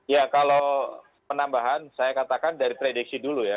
ya kalau penambahan saya katakan dari prediksi dulu ya